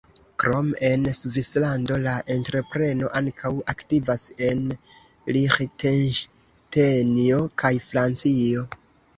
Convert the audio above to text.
Krom en Svislando la entrepreno ankaŭ aktivas en Liĥtenŝtejno kaj Francio.